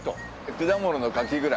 果物の柿ぐらい。